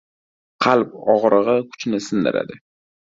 • Qalb og‘rig‘i kuchni sindiradi.